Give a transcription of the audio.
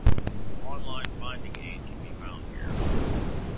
The online finding aid can be found here.